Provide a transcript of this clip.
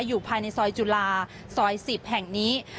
อยู่ภายในซอยจุฬาซอย๑๐แห่งนี้